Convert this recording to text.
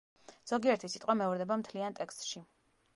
ზოგიერთი სიტყვა მეორდება მთლიან ტექსტში.